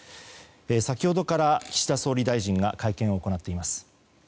先ほどから岸田総理大臣が会見を行っています。